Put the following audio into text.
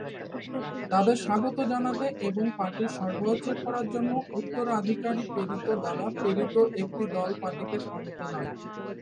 তাদের স্বাগত জানাতে এবং পার্টির সরবরাহ চেক করার জন্য উত্তরাধিকারী-প্রেরিত দ্বারা প্রেরিত একটি দল পার্টিকে স্বাগত জানায়।